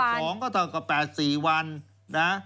ผัดละ๑๒ก็เท่ากับ๘๔วันนะ